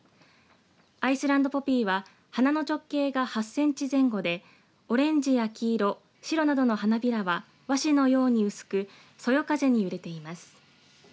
アイスランドポピーは、花の直径が８センチ前後でオレンジや黄色、白などの花びらは和紙のように薄くそよ風に揺れています。